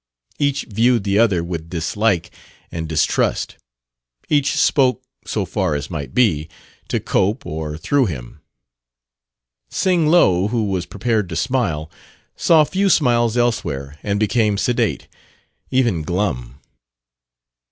Each viewed the other with dislike and distrust. Each spoke, so far as might be, to Cope or through him. Sing Lo, who was prepared to smile, saw few smiles elsewhere, and became sedate, even glum.